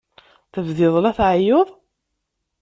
Tebdiḍ la tɛeyyuḍ?